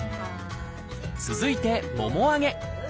続いてもも上げ。